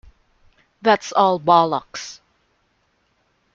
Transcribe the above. That's all bollocks.